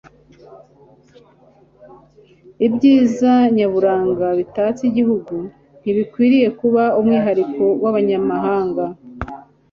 Ibyiza nyaburanga bitatse igihugu ntibikwiye kuba umwihariko w'abanyamahanga